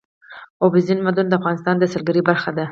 اوبزین معدنونه د افغانستان د سیلګرۍ برخه ده.